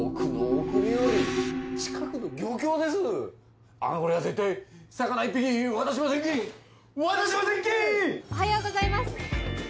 おはようございます！